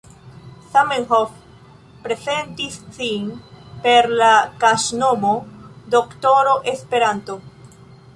Zamenhof, prezentis sin per la kaŝnomo Doktoro Esperanto.